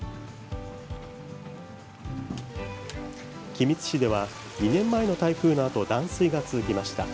君津市では、２年前の台風のあと断水が続きました。